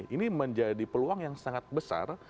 ini menjadi peluang yang sangat besar